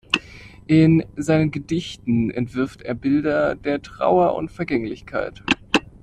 In seinen Gedichten entwirft er Bilder der Trauer und Vergänglichkeit.